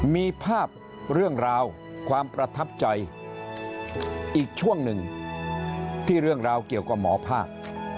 มีภาพเรื่องราวความประทับใจอีกช่วงหนึ่งที่เรื่องราวเกี่ยวกับหมอภาค